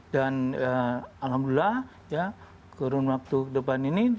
dan alhamdulillah ya kurun waktu depan ini